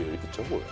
これ。